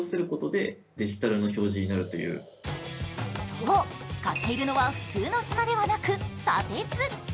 そう使っているのは普通の砂ではなく、砂鉄。